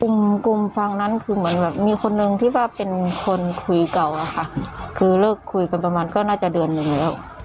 กลุ่มกลุ่มฟังนั้นคือเหมือนแบบมีคนนึงที่ว่าเป็นคนคุยเก่าอะค่ะคือเลิกคุยกันประมาณก็น่าจะเดือนหนึ่งแล้ว